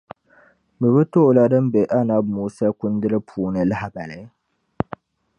Bee bɛ bi ti o la din be Anabi Musa kundili puuni lahibali?